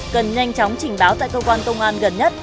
cần nhanh chóng trình báo tại cơ quan công an gần nhất